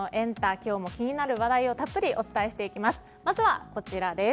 今日も気になる話題をたっぷりお伝えしていきます。